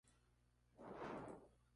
Bautizado por Luis de Almeida.